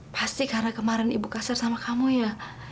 pasti karena kemarin ibu kasar sama kamu ya